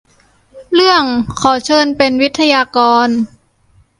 เรื่อง ขอเชิญเป็นวิทยากร